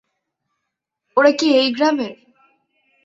ওরা কি এই গ্রামের?